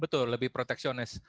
betul lebih proteksionis